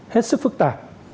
hết sức phức tạp